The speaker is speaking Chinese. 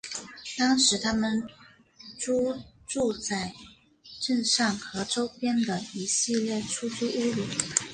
当时他们租住在镇上和周边的一系列出租屋里。